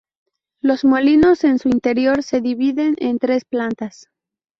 Los molinos en su interior se dividen en tres plantas.